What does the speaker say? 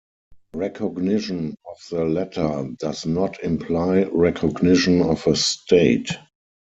Recognition of the latter does not imply recognition of a state.